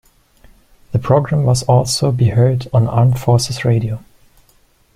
The program was also be heard on Armed Forces Radio.